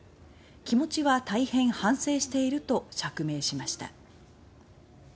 「気持ちは大変反省している」と釈明しました。